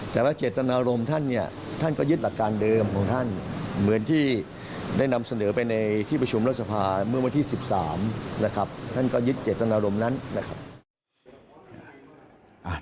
แต่ว่าเจตนารมณ์ท่านเนี่ยท่านก็ยึดหลักการเดิมของท่านเหมือนที่ได้นำเสนอไปในที่ประชุมรัฐสภาเมื่อวันที่๑๓นะครับท่านก็ยึดเจตนารมณ์นั้นนะครับ